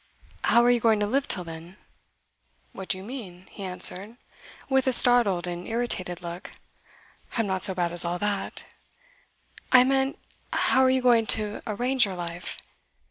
'How are you going to live till then?' 'What do you mean?' he answered, with a startled and irritated look. 'I'm not so bad as all that.' 'I meant how are you going to arrange your life?